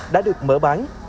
đã được mở bán